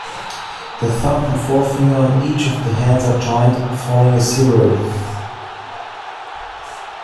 The thumb and forefinger on each of the hands are joined, forming a zero.